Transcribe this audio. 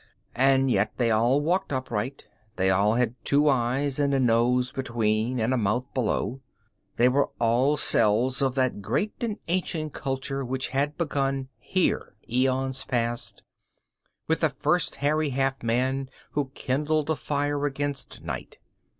And yet they all walked upright; they all had two eyes and a nose between and a mouth below; they were all cells of that great and ancient culture which had begun here, eons past, with the first hairy half man who kindled a fire against night.